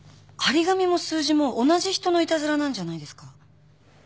張り紙も数字も同じ人のいたずらなんじゃないですか？